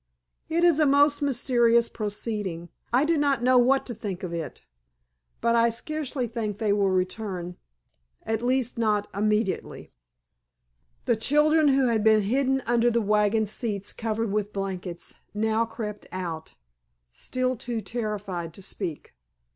"It is a most mysterious proceeding. I do not know what to think of it. But I scarcely think they will return—at least not immediately." The children, who had been hidden under the wagon seats covered with blankets, now crept out, still too terrified to speak.